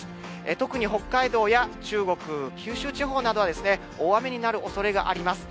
特に北海道や中国、九州地方などは大雨になるおそれがあります。